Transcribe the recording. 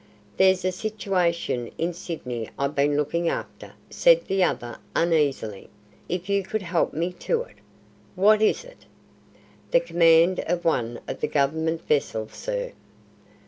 "There's a situation in Sydney I've been looking after," said the other, uneasily, "if you could help me to it." "What is it?" "The command of one of the Government vessels, sir."